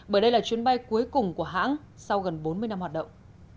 bởi đây là chuyến bay cuối cùng của hãng